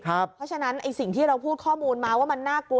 เพราะฉะนั้นสิ่งที่เราพูดข้อมูลมาว่ามันน่ากลัว